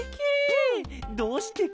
どうしてケロ？